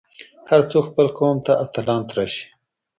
هر څوک خپل قوم ته اتلان تراشي.